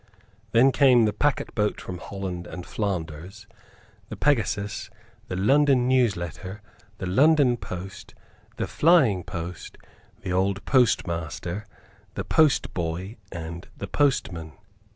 Then came the Packet Boat from Holland and Flanders, the Pegasus, the London Newsletter, the London Post, the Flying Post, the Old Postmaster, the Postboy and the Postman.